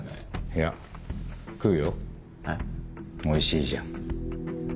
おいしいじゃん。